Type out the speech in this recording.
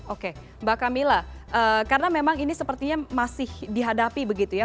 oke mbak camilla karena memang ini sepertinya masih dihadapi begitu ya